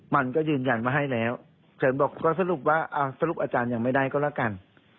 มันก็ยืนยันว่าให้แล้วฉันบอกก็สรุปว่าสรุปอาจารย์ยังไม่ได้ก็แล้วกัน